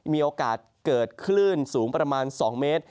มีโอกาสเกิดคลื่นสูงประมาณ๒เมตร